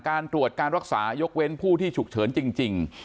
การตรวจการรักษายกเว้นผู้ที่ฉุกเฉินจริง